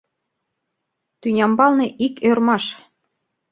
Тӱнямбалне ик ӧрмаш